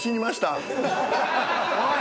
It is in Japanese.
おい！